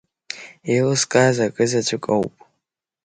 Еилыскааз акы заҵәык ауп…